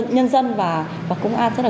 nhân dân và công an rất là